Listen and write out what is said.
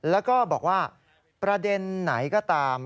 แล้วก็บอกว่าประเด็นไหนก็ตาม